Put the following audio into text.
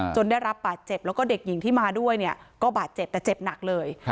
ได้รับบาดเจ็บแล้วก็เด็กหญิงที่มาด้วยเนี่ยก็บาดเจ็บแต่เจ็บหนักเลย